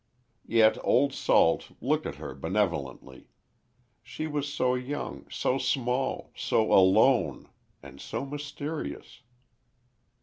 Yet old Salt looked at her benevolently. She was so young, so small, so alone—and so mysterious.